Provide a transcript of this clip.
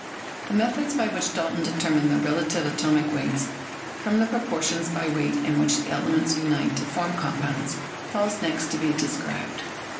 The method by which Dalton determined the relative atomic weights from the proportions by weight in which the elements unite to form compounds, falls next to be described.